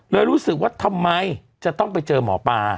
รู้สึกว่าทำไมจะต้องไปเจอหมอปลา